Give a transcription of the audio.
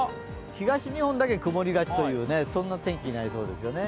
東日本だけ曇りがちな天気になりそうですね。